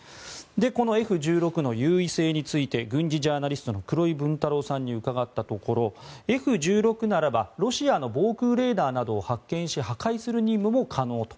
このＦ１６の優位性について軍事ジャーナリストの黒井文太郎さんに伺ったところＦ１６ならばロシアの防空レーダーなどを発見し破壊する任務も可能と。